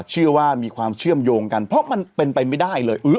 เชื่อว่ามีความเชื่อมโยงกันเพราะมันเป็นไปไม่ได้เลย